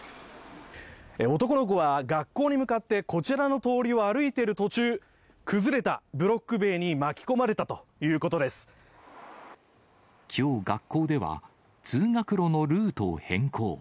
男の子は学校に向かってこちらの通りを歩いている途中、崩れたブロック塀に巻き込まれたきょう、学校では通学路のルートを変更。